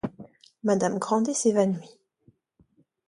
Madame Grandet s’évanouit.